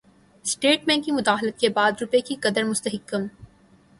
state Bank کی مداخلت کے بعد روپے کی قدر مستحکم